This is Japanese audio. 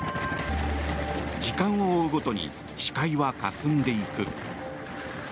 時間を追うごとに視界はかすんでいく。